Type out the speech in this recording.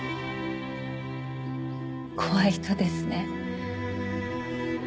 怖い人ですね。